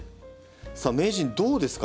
さあ名人どうですか？